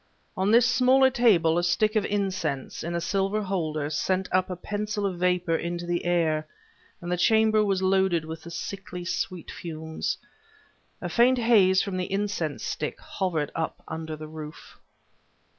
On this smaller table, a stick of incense, in a silver holder, sent up a pencil of vapor into the air, and the chamber was loaded with the sickly sweet fumes. A faint haze from the incense stick hovered up under the roof.